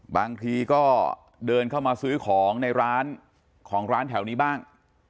บางทีก็เดินเข้ามาซื้อของในร้านของร้านแถวนี้บ้าง